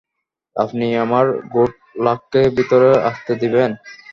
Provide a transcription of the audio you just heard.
আপনি আমার গুড লাককে ভিতরে আসতে দিবেন?